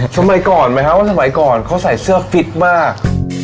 สมัยก่อนไหมคะว่าสมัยก่อนเขาใส่เสื้อฟิตมาก